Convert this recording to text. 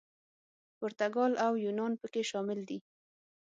پرتګال او یونان پکې شامل دي.